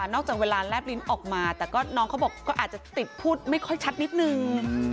จากเวลาแลบลิ้นออกมาแต่ก็น้องเขาบอกก็อาจจะติดพูดไม่ค่อยชัดนิดนึง